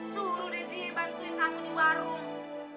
suruh deddy bantuin kamu di warung